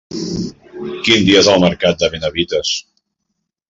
Quin dia és el mercat de Benavites?